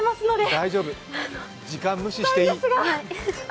大丈夫、時間無視していい。